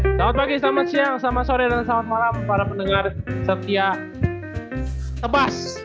selamat pagi selamat siang selamat sore dan selamat malam para pendengar setia tebas